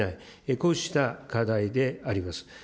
こうした課題であります。